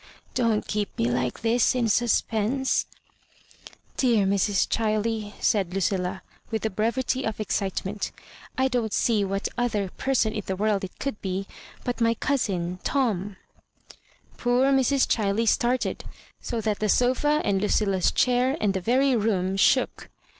" Don't keep me like tiiis in suspense." "Dear Mrs. ChUey," said Lucflla^ with the brevity of excitement, " I don't see what other person in the world it could be but my cousin Tom." Poor Mrs. ChUey started, so that the sofa and Lucilla's chair and the very room shook.